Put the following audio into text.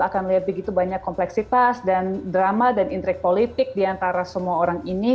akan melihat begitu banyak kompleksitas dan drama dan intrik politik diantara semua orang ini